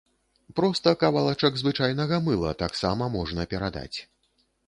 Проста кавалачак звычайнага мыла таксама можна перадаць.